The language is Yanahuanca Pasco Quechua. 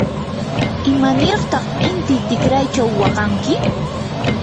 ¿imanirtaq inti tikraychaw waqanki?